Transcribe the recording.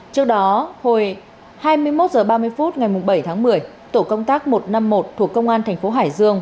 trước đó hồi hai mươi một h ba mươi phút ngày bảy tháng một mươi tổ công tác một trăm năm mươi một thuộc công an thành phố hải dương